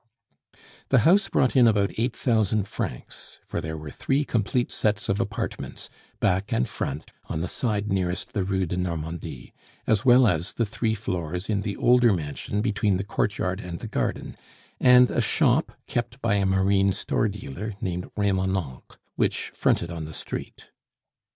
The house brought in about eight thousand francs for there were three complete sets of apartments back and front, on the side nearest the Rue de Normandie, as well as the three floors in the older mansion between the courtyard and the garden, and a shop kept by a marine store dealer named Remonencq, which fronted on the street.